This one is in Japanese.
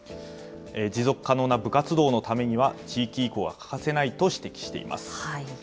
持続可能な部活動のためには、地域移行は欠かせないと指摘しています。